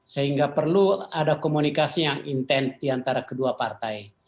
sehingga perlu ada komunikasi yang intent diantara kedua partai